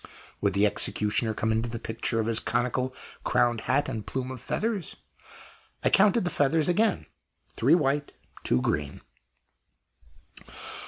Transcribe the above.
Would the executioner come into possession of his conical crowned hat and plume of feathers? I counted the feathers again three white, two green.